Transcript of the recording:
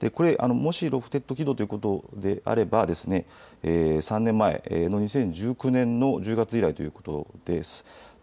もしロフテッド軌道ということであれば３年前の２０１９年の１０月以来ということです。